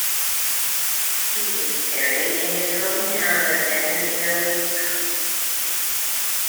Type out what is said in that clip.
He was buried in his hometown of Evansville, Wisconsin.